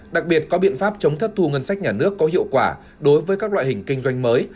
đặc biệt có biện pháp chống thất thu ngân sách nhà nước có hiệu quả đối với các loại hình kinh doanh mới